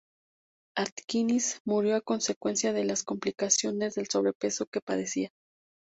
Atkins murió a consecuencia de las complicaciones del sobrepeso que padecía.